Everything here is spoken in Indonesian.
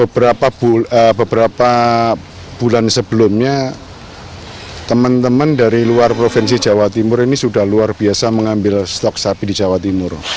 beberapa bulan sebelumnya teman teman dari luar provinsi jawa timur ini sudah luar biasa mengambil stok sapi di jawa timur